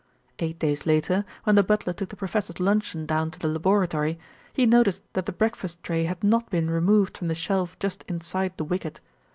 Eight days later, when the butler took the professor's luncheon down to the laboratory, he noticed that the breakfast tray had not been removed from the shelf just inside the wicket.